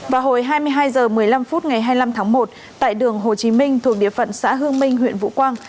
vào hồi hai mươi hai h một mươi năm phút ngày hai mươi năm tháng một tại đường hồ chí minh thuộc địa phận xã hương minh huyện vũ quang